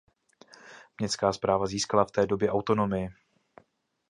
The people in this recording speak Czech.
Městská správa získala v té době autonomii.